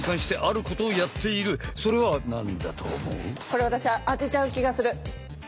これ私当てちゃう気がする。